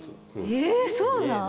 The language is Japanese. えそうなん？